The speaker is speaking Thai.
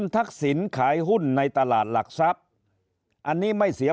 ทักษิณขายหุ้นในตลาดหลักทรัพย์อันนี้ไม่เสีย